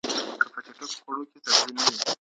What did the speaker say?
که په چټکو خوړو کې سبزي نه وي.